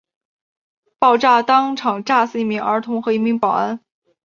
爆炸当场炸死一名儿童和一名保安。